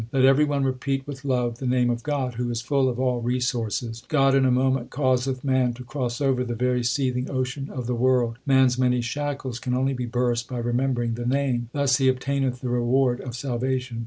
Let every one repeat with love the name of God Who is full of all resources. 1 God in a moment causeth man to cross over The very seething ocean of the world. Man s many shackles can only be burst By remembering the Name ; thus he obtaineth the reward of salvation.